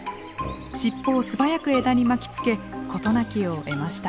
尻尾を素早く枝に巻きつけ事なきを得ました。